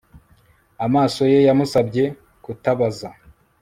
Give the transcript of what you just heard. Amaso ye yamusabye kutabaza